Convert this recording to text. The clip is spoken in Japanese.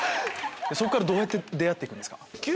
そこからどうやって出会って行くんですか？